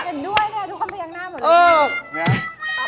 เห็นด้วยเนี่ยทุกคนไปยังหน้าเหมือนกัน